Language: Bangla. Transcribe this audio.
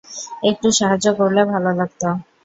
একটু সাহায্য করলে ভালো লাগত।